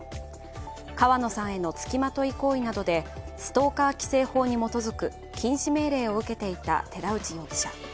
川野さんへのつきまとい行為などでストーカー規制法に基づく禁止命令を受けていた寺内容疑者。